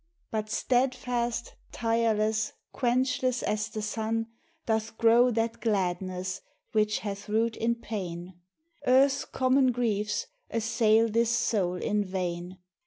But steadfast, tireless, quenchless as the sun Doth grow that gladness which hath root in pain. Earth's common griefs assail this soul in vain.